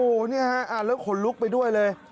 อุ๊โหนี่ฮะลุงค้นลุกไปด้วยเลย